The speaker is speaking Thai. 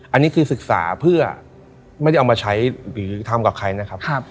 อันนี้คือศึกษาเพื่อไม่ได้เอามาใช้หรือทำกับใครนะครับ